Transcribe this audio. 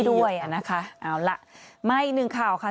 ด้วยนะคะเอาล่ะมาอีกหนึ่งข่าวค่ะ